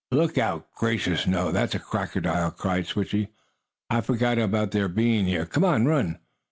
"Look out! Gracious no! That's a crocodile!" cried Switchie. "I forgot about their being here. Come on! Run!"